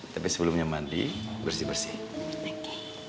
tapi sebelumnya mandi bersih bersih